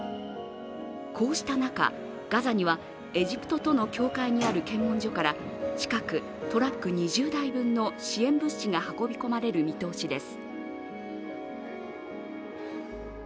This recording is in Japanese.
こうした中、ガザにはエジプトとの境界にある検問所から近く、トラック２０台分の支援物資が運び込まれる見通しです。